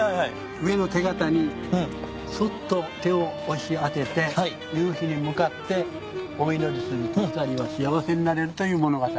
上の手形にすっと手を押し当てて夕日に向かってお祈りすると２人は幸せになれるという物語。